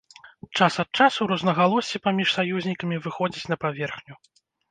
Час ад часу рознагалоссі паміж саюзнікамі выходзяць на паверхню.